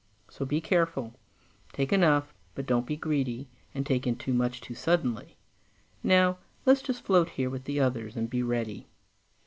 So be careful; take enough, but don't be greedy and take in too much too suddenly. Now let's just float here with the others and be ready."